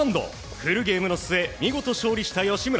フルゲームの末見事勝利した吉村。